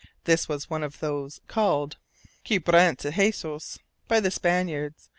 This was one of those called "quebrantahnesos" by the Spaniards.